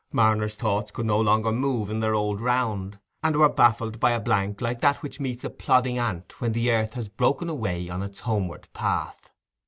Marner's thoughts could no longer move in their old round, and were baffled by a blank like that which meets a plodding ant when the earth has broken away on its homeward path.